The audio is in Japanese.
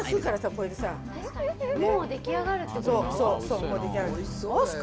これでさもう出来上がるってこと？